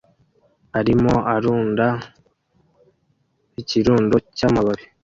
arimo arunda ikirundo cy'amababi